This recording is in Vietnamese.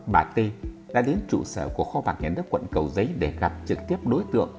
bà t đã đến trụ sở của kho bạc nhà nước quận cầu giấy để gặp trực tiếp đối tượng